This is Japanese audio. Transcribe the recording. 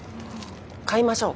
買いましょう。